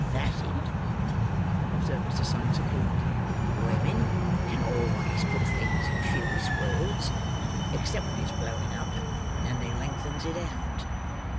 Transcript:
"That's it!" observed Mr. Sikes, approvingly; "women can always put things in fewest words.—Except when it's blowing up; and then they lengthens it out.